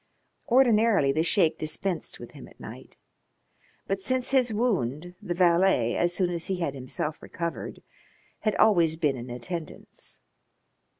Ordinarily the Sheik dispensed with him at night, but since his wound, the valet, as soon as he had himself recovered, had always been in attendance.